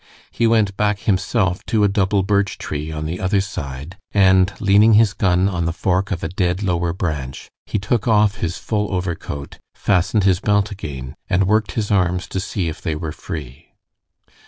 He went back himself to a double birch tree on the other side, and leaning his gun on the fork of a dead lower branch, he took off his full overcoat, fastened his belt again, and worked his arms to see if they were free.